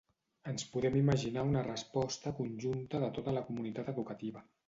Ens podem imaginar una resposta conjunta de tota la comunitat educativa.